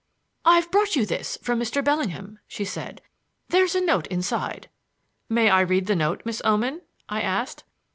"I've brought you this from Mr. Bellingham," she said. "There's a note inside." "May I read the note, Miss Oman?" I asked.